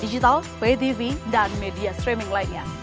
digital btv dan media streaming lainnya